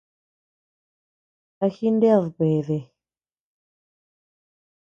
¿A jined beade?